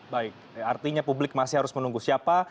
baik artinya publik masih harus menunggu siapa